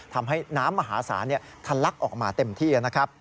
ทำให้น้ำมหาศาลทะลักออกมาเต็มที่นะครับ